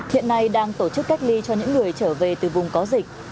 hiện nay đang tổ chức cách ly cho những người trở về từ vùng có dịch